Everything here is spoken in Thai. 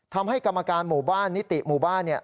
ทำให้กรรมการหมู่บ้านนิติหมู่บ้าน